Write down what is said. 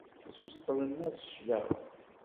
Ttuseṭṭlen-as cclaɣem.